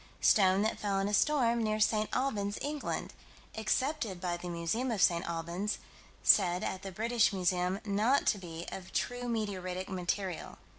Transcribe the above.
Stone that fell in a storm, near St. Albans, England: accepted by the Museum of St. Albans; said, at the British Museum, not to be of "true meteoritic material."